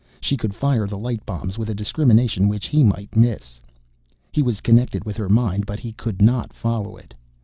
She could fire the light bombs with a discrimination which he might miss. He was connected with her mind, but he could not follow it.